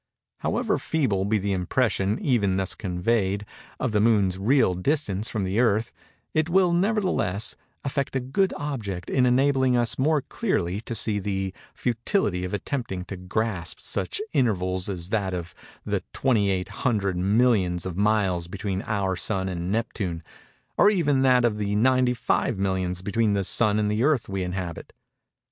However feeble be the impression, even thus conveyed, of the Moon's real distance from the Earth, it will, nevertheless, effect a good object in enabling us more clearly to see the futility of attempting to grasp such intervals as that of the 28 hundred millions of miles between our Sun and Neptune; or even that of the 95 millions between the Sun and the Earth we inhabit.